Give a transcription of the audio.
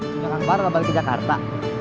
sekarang baru balik ke jakarta